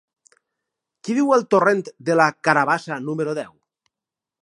Qui viu al torrent de la Carabassa número deu?